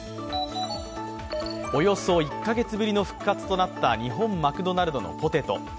およそ１カ月ぶりの復活となった日本マクドナルドのポテト。